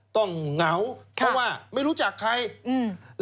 ต้องเหงาเพราะว่าไม่รู้จักใคร